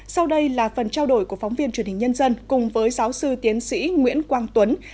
sau đây là phần trao đổi của phóng viên truyền hình nhân dân cùng với giáo sư tiến sĩ nguyễn quang tuấn